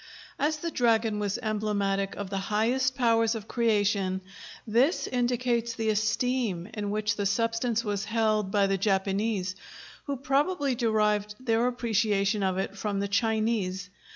As the dragon was emblematic of the highest powers of creation, this indicates the esteem in which the substance was held by the Japanese, who probably derived their appreciation of it from the Chinese.